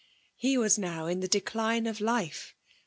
He was now in the decline of life.